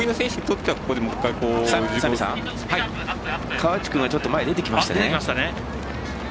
川内君がちょっと前に出てきましたね。